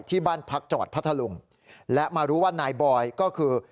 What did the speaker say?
ที่บ้านพักจังหวัดพัทธลุงและมารู้ว่านายบอยก็คือ